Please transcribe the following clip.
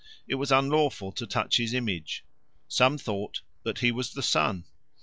It was unlawful to touch his image. Some thought that he was the sun.